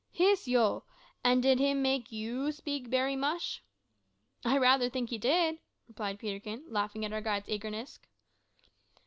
"Yis, ho! An' did him make you speak bery mush?" "I rather think he did," replied Peterkin, laughing at our guide's eagerness.